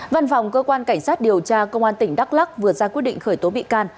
văn phòng cơ quan cảnh sát điều tra công an tỉnh đắk lắc vừa ra quyết định khởi tố bị can